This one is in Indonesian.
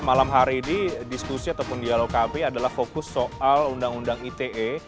malam hari ini diskusi ataupun dialog kami adalah fokus soal undang undang ite